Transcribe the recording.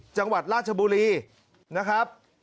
จังหวัดราชบุรีนะครับ